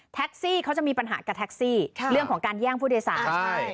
แท็กซี่เขาจะมีปัญหากับแท็กซี่ค่ะเรื่องของการแย่งผู้โดยสารใช่